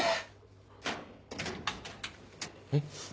えっ。